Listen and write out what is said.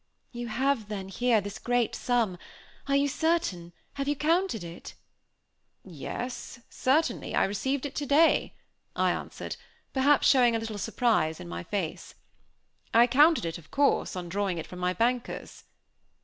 "You have then here this great sum are you certain; have you counted it?" "Yes, certainly; I received it today," I answered, perhaps showing a little surprise in my face. "I counted it, of course, on drawing it from my bankers."